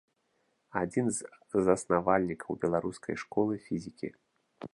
Адзін з заснавальнікаў беларускай школы фізікі.